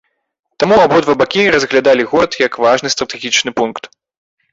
Таму абодва бакі разглядалі горад як важны стратэгічны пункт.